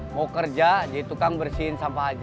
mau kerja jadi tukang bersihin sampah aja